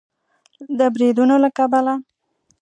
د بریدونو له کبله